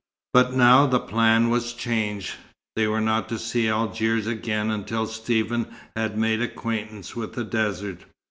But now the plan was changed. They were not to see Algiers again until Stephen had made acquaintance with the desert.